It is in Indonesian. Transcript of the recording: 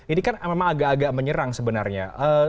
ini kan memang agak agak menyerang sebenarnya